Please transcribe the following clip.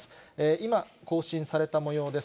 今、更新されたもようです。